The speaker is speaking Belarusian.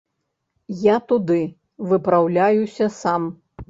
Я туды выпраўляюся сам!